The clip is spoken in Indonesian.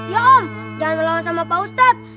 jangan melawan sama pak ustadz